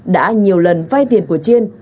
đã nhiều lần vay tiền của chiên